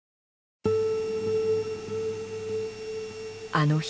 あの日。